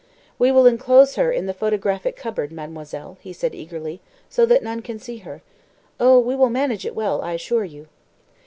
"We will inclose her in the photographic cupboard, mademoiselle," he said eagerly, "so that none can see her. Oh, we will manage well, I assure you."